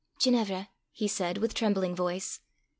"Ginevra!" he said, with trembling voice.